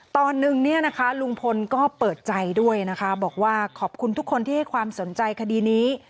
ตอนนึงเนี่ยนะคะลุงพลก็เปิดใจด้วยนะคะบอกว่าขอบคุณทุกคนที่ให้ความสนใจคดีนี้